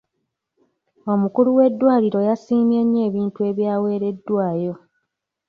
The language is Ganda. Omukulu w'eddwaliro yasiimye nnyo ebintu ebyaweereddwayo.